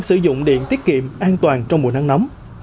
sử dụng điện tiết kiệm an toàn trong mùa nắng nóng